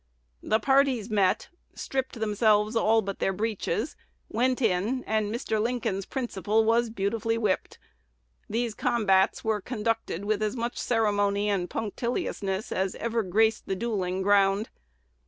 The parties met, stripped themselves all but their breeches, went in, and Mr. Lincoln's principal was beautifully whipped. These combats were conducted with as much ceremony and punctiliousness as ever graced the duelling ground.